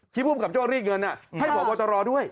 คลิปผู้กลับโจทย์รีดเงินอ่ะให้บอกว่าจะรอด้วย